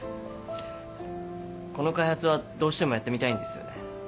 この開発はどうしてもやってみたいんですよね。